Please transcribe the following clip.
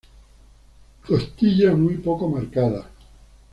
Costillas muy poco marcadas.